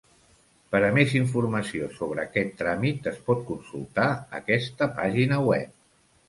Per a més informació sobre aquest tràmit es pot consultar aquesta pàgina web.